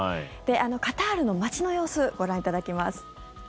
カタールの街の様子ご覧いただきます。